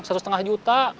satu setengah juta